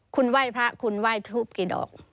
คุณไหว้พระคุณไหว้ทูปกี่ดอก